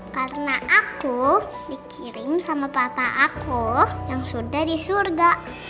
karena aku dikirim sama papa aku yang sudah di surga